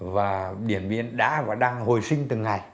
và điện biên đã và đang hồi sinh từng ngày